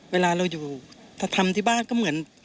เวลาเราอยู่ถ้าทำที่บ้านก็เหมือน